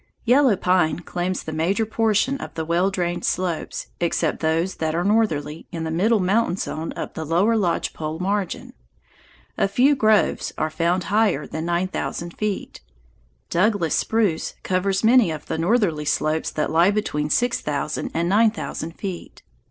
Yellow pine claims the major portion of the well drained slopes, except those that are northerly, in the middle mountain zone up to the lower lodge pole margin. A few groves are found higher than nine thousand feet. Douglas spruce covers many of the northerly slopes that lie between six thousand and nine thousand feet.